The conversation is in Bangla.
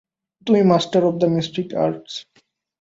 তুমি master of the mystic arts.